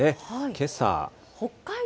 けさ。